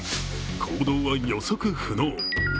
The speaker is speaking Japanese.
行動は予測不能。